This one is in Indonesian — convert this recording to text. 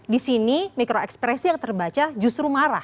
di sini mikro ekspresi yang terbaca justru marah